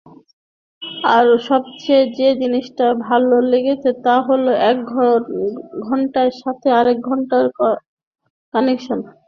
আর সবচেয়ে যে জিনিসটা ভালো লেগেছে তা হলো এক ঘটনার সাথে আরেক ঘটনার কানেকশন।